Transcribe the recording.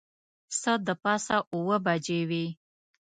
څه د پاسه اوه بجې وې.